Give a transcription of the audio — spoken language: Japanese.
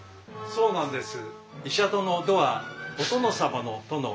そうなんです。